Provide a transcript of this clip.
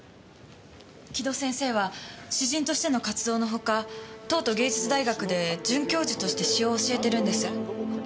城戸先生は詩人としての活動の他東都芸術大学で准教授として詩を教えてるんです。